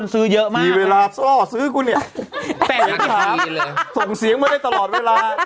ซื้อเยอะมากมีเวลาซ่อซื้อคุณเนี่ยแต่ยังถามส่งเสียงมาได้ตลอดเวลา